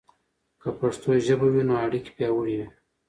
که پښتو ژبه وي، نو اړیکې پياوړي وي.